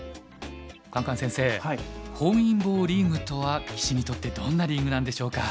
カンカン先生本因坊リーグとは棋士にとってどんなリーグなんでしょうか？